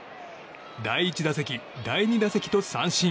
第１打席、第２打席と三振。